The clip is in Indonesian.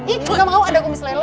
ih gak mau ada kumis lele